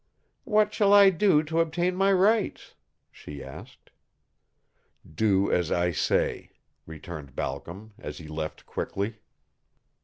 "What shall I do to obtain my rights?" she asked. "Do as I say," returned Balcom, as he left quickly.